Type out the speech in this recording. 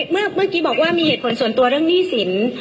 เมื่อกี้บอกว่ามีเหตุผลส่วนตัวเรื่องหนี้สิน